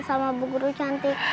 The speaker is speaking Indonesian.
sama bu guru cantik